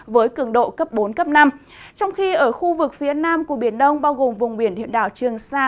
với cường độ cấp bốn năm trong khi ở khu vực phía nam của biển đông bao gồm vùng biển huyện đảo trường sa